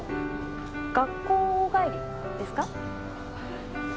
学校帰りですか？